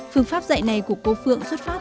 phương pháp dạy này của cô phượng xuất phát